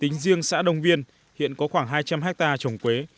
tính riêng xã đông viên hiện có khoảng hai trăm linh hectare trồng quế